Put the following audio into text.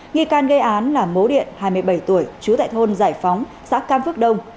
nghi can gây án là mố điện hai mươi bảy tuổi trú tại thôn giải phóng xã cam phước đông